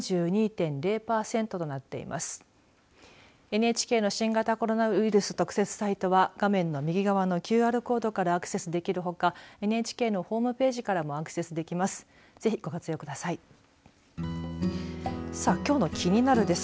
ＮＨＫの新型コロナウイルス特設サイトは画面の右側のＱＲコードからアクセスできるほかＮＨＫのホームページからもアクセスできます。